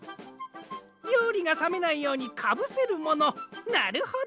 りょうりがさめないようにかぶせるものなるほど。